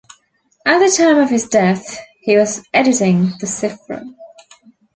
At the time of his death he was editing the "Sifra".